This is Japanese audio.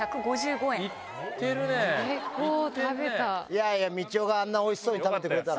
いやみちおがあんなおいしそうに食べてくれたら。